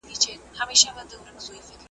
څوک به ولي دښمني کړي د دوستانو `